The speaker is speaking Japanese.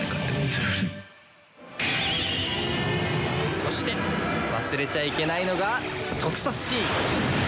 そして忘れちゃいけないのが特撮シーン！